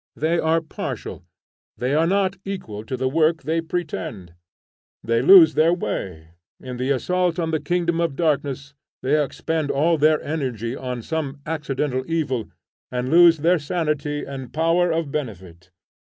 They are partial; they are not equal to the work they pretend. They lose their way; in the assault on the kingdom of darkness they expend all their energy on some accidental evil, and lose their sanity and power of benefit.